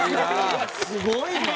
すごいな！